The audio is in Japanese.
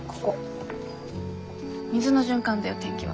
水の循環だよ天気は。